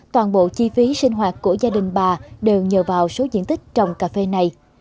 toàn bộ chi phí sinh hoạt của gia đình bà đều nhờ vào số diện tích trồng cà phê này